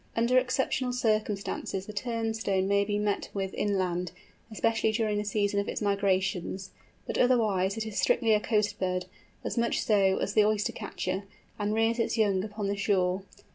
Under exceptional circumstances the Turnstone may be met with inland, especially during the season of its migrations, but otherwise it is strictly a coast bird, as much so as the Oyster catcher, and rears its young upon the shore.